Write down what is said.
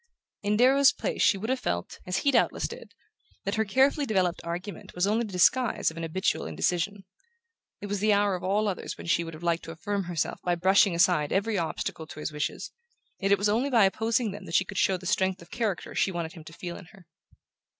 In Darrow's place she would have felt, as he doubtless did, that her carefully developed argument was only the disguise of an habitual indecision. It was the hour of all others when she would have liked to affirm herself by brushing aside every obstacle to his wishes; yet it was only by opposing them that she could show the strength of character she wanted him to feel in her.